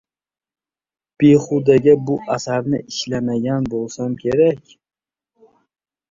Behudaga bu asarni ishlamagan bo‘lsam kerak.